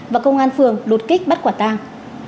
và công an phường đột kích bắt quả tang